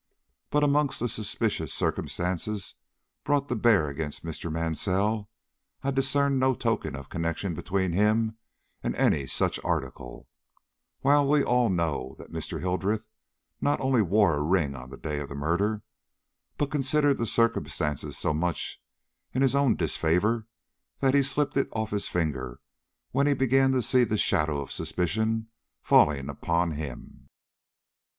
But amongst the suspicious circumstances brought to bear against Mr. Mansell, I discern no token of a connection between him and any such article, while we all know that Mr. Hildreth not only wore a ring on the day of the murder, but considered the circumstance so much in his own disfavor, that he slipped it off his finger when he began to see the shadow of suspicion falling upon him."